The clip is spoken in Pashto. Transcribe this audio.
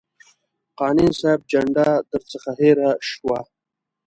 قانع صاحب جنډه درڅخه هېره شوه.